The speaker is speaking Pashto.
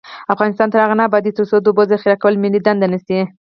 افغانستان تر هغو نه ابادیږي، ترڅو د اوبو ذخیره کول ملي دنده نشي.